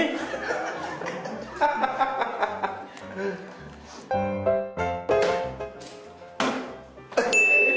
yang terakhir adalah pertanyaan dari anak muda